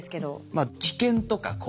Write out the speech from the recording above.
まあ危険とか怖い。